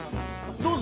どうぞ。